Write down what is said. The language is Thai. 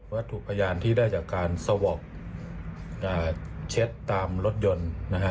วัตถุพยานที่ได้จากการสวบเช็ดตามรถยนต์